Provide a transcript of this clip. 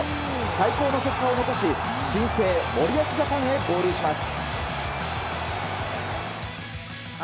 最高の結果を残し新生、森保ジャパンに合流します。